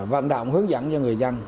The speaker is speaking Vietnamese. vận động hướng dẫn cho người dân